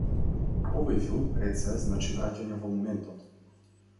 Овој филм, пред сѐ, значи враќање во моментот.